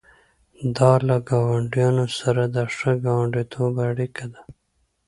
دا له ګاونډیانو سره د ښه ګاونډیتوب اړیکه ده.